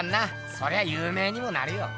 そりゃゆう名にもなるよ。